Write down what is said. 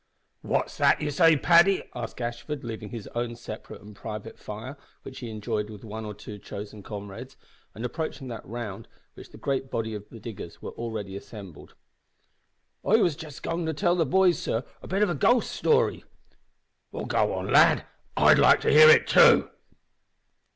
"What's that you say, Paddy?" asked Gashford, leaving his own separate and private fire, which he enjoyed with one or two chosen comrades, and approaching that round which the great body of the diggers were already assembled. "I was just goin' to tell the boys, sor, a bit of a ghost story." "Well, go on, lad, I'd like to hear it, too."